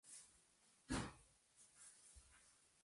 Vidal Bolaño destacó como actor, director, escenógrafo e iluminador.